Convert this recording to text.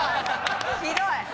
ひどい！